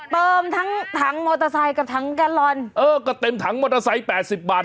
เติมทั้งถังมอเตอร์ไซค์กับถังแกลลอนเออก็เต็มถังมอเตอร์ไซค์แปดสิบบาท